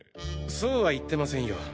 そうは言ってませんよ。